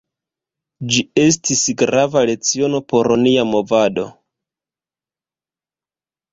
Ĝi estis grava leciono por nia movado.